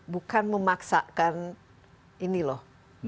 bukan memaksakan ini loh